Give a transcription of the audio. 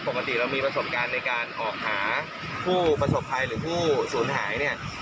ปกติเรามีประสบการณ์ในการออกหาผู้ประสบภัยหรือผู้สูญหายเนี่ย